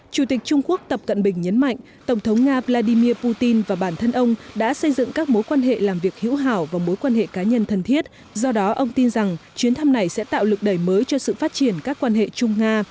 chủ tịch trung quốc tập cận bình nhấn mạnh tổng thống nga vladimir putin và bản thân ông đã xây dựng các mối quan hệ làm việc hữu hảo và mối quan hệ cá nhân thân thiết do đó ông tin rằng chuyến thăm này sẽ tạo lực đẩy mới cho sự phát triển các quan hệ chung nga